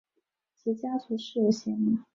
其家族世有贤名。